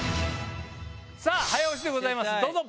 さぁ早押しでございますどうぞ。